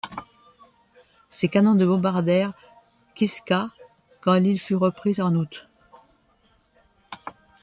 Ses canons de bombardèrent Kiska quand l'île fut reprise en août.